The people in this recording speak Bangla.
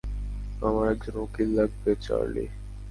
আমার একজন উকিল লাগবে, চার্লি।